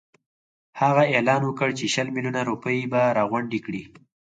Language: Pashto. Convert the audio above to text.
هغه اعلان وکړ چې شل میلیونه روپۍ به راغونډي کړي.